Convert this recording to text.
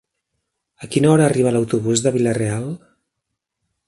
A quina hora arriba l'autobús de Vila-real?